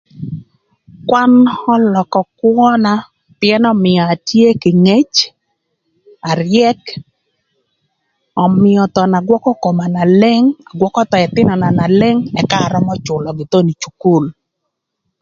Kwan ölökö kwöna pïën ömïa atye kï ngec, aryëk, ömïö thon agwökö koma na leng, agwökö ëthïnöna na leng, ëka arömö cülögï thon ï cukul.